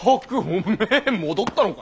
おめぇ戻ったのか。